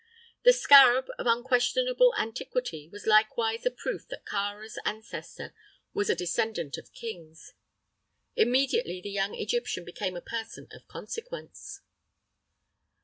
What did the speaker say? The scarab, of unquestionable antiquity, was likewise a proof that Kāra's ancestor was a descendant of kings. Immediately the young Egyptian became a person of consequence.